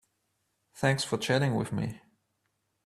Thanks for chatting with me.